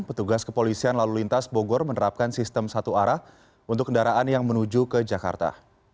petugas kepolisian lalu lintas bogor menerapkan sistem satu arah untuk kendaraan yang menuju ke jakarta